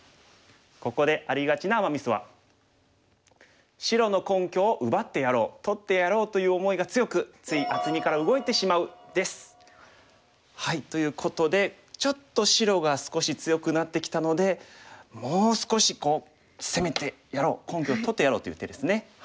ここでありがちなアマ・ミスは白の根拠を奪ってやろう取ってやろうという思いが強く。ということでちょっと白が少し強くなってきたのでもう少しこう攻めてやろう根拠を取ってやろうという手ですね。